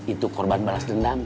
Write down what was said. itu korban balas dendam